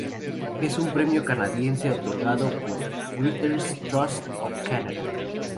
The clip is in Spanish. Es un premio canadiense otorgado por "Writers' Trust of Canada".